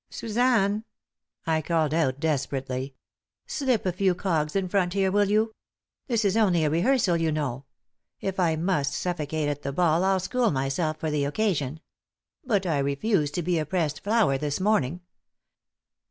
"Suzanne," I called out, desperately, "slip a few cogs in front here, will you? This is only a rehearsal, you know. If I must suffocate at the ball I'll school myself for the occasion. But I refuse to be a pressed flower this morning.